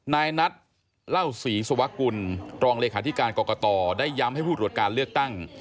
นายนัทเล่าศรีสวกุลรองเลขาธิการกรกตได้ย้ำให้ผู้ตรวจการเลือกตั้ง